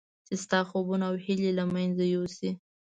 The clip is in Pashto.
چې ستا خوبونه او هیلې له منځه یوسي.